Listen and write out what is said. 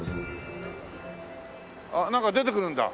あっなんか出てくるんだ。